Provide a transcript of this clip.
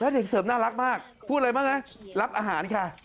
เด็กเสริมน่ารักมากพูดอะไรบ้างรับอาหารค่ะ